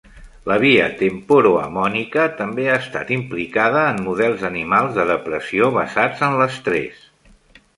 La via temporo-amònica també ha estat implicada en models animals de depressió basats en l'estrès.